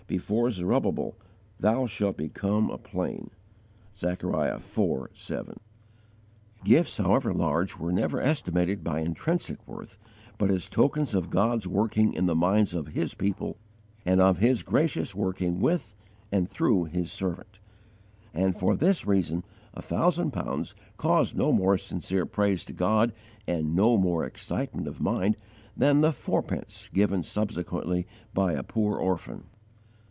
Before Zerubbabel, thou shalt become a plain!" (Zech. iv. 7.) Gifts, however large, were never estimated by intrinsic worth, but as tokens of God's working in the minds of His people, and of His gracious working with and through His servant; and, for this reason, a thousand pounds caused no more sincere praise to God and no more excitement of mind than the fourpence given subsequently by a poor orphan.